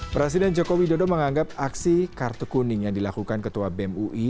presiden joko widodo menganggap aksi kartu kuning yang dilakukan ketua bem ui